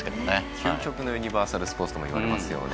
究極のユニバーサルスポーツともいわれますね。